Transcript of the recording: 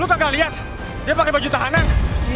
lu kagak liat dia pake baju tahanan